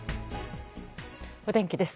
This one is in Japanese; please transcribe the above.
お天気です。